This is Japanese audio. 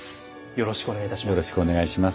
よろしくお願いします。